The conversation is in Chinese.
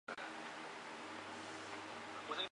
上加尔萨斯是巴西马托格罗索州的一个市镇。